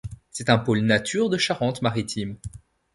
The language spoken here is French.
C'est un pôle-nature de Charente-Maritime.